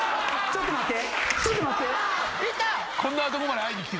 ちょっと待って。